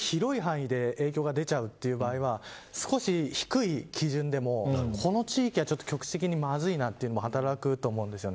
ただ今回みたいに、わりと広い範囲で影響が出るという場合は少し低い基準でもこの地域は局地的にまずいなというのが働くと思うんです。